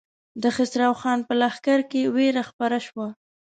د خسرو خان په لښکر کې وېره خپره شوه.